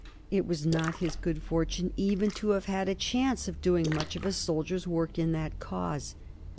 It was not his good fortune even to have had a chance of doing much of a soldier's work in that cause.